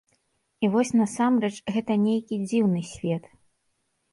І вось насамрэч, гэта нейкі дзіўны свет.